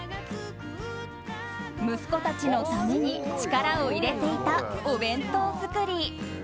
息子たちのために力を入れていたお弁当作り。